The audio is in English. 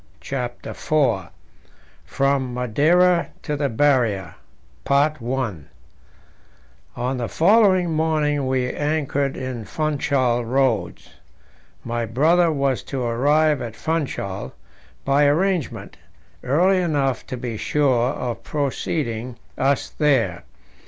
CHAPTER IV From Madeira to the Barrier On the following morning we anchored in Funchal Roads. My brother was to arrive at Funchal, by arrangement, early enough to be sure of preceding us there.